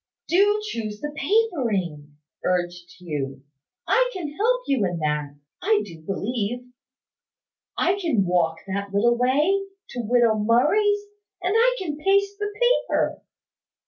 "Do choose the papering," urged Hugh. "I can help you in that, I do believe. I can walk that little way, to widow Murray's; and I can paste the paper.